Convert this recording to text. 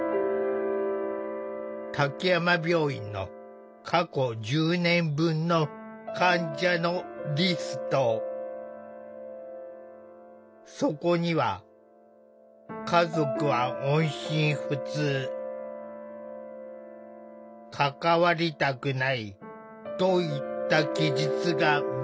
滝山病院の過去１０年分のそこには「家族は音信不通」「関わりたくない」といった記述が目立つ。